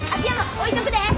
置いとくで。